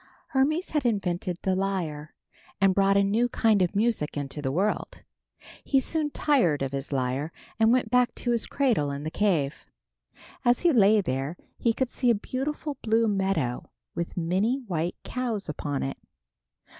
Hermes had invented the lyre and brought a new kind of music into the world. He soon tired of his lyre and went back to his cradle in the cave. As he lay there he could see a beautiful blue meadow with many white cows upon it.